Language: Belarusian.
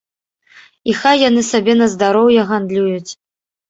І хай яны сабе на здароўе гандлююць.